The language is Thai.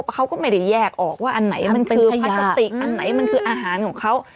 เขาก็ไม่ได้แยกออกว่าอันไหนมันคือพลาสติกอันไหนมันคืออาหารของเขา